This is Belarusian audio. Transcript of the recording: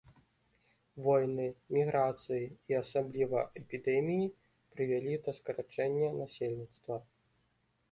Войны, міграцыі і асабліва эпідэміі прывялі да скарачэння насельніцтва.